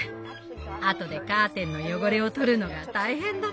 あとでカーテンの汚れをとるのが大変だったとか。